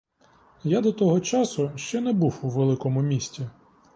Я до того часу ще не був у великому місті.